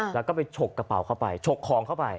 แล้วก็ไปฉกกระเป๋าเข้าไปฉกของเข้าไป